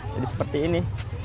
jadi seperti ini